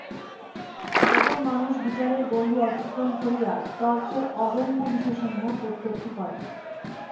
তখন মানুষ বিচারের গণ্ডি অতিক্রম করিয়া তর্কের অগম্য বিষয়সমূহ প্রত্যক্ষ করে।